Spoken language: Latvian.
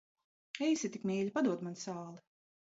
Esi tik mīļa, padod man sāli.